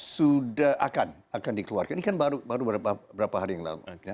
sudah akan akan dikeluarkan ini kan baru beberapa hari yang lalu